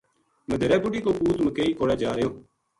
مدیہرے بُڈھی کو پوت مکئی کوڑے جا رہیو